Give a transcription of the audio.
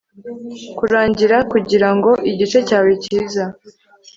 kurangira kugirango igice cyawe cyiza